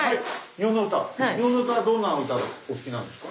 日本の歌どんな歌がお好きなんですか？